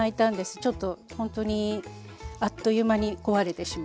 ちょっとほんとにあっという間に壊れてしまって。